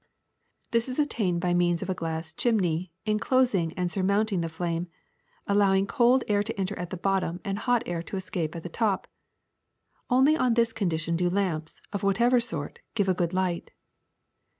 This is attained by m'eans of a glass chimney LIGHTING 139 enclosing and surmounting the flame, allowing cold air to enter at the bottom and hot air to escape at the top. Only on this condition do lamps, of whatever sort, give a good light.''